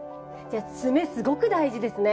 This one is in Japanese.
あつめすごく大事ですね。